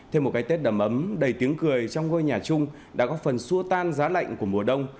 thêm một cái tết đầm ấm đầy tiếng cười trong ngôi nhà chung đã góp phần xua tan giá lạnh của mùa đông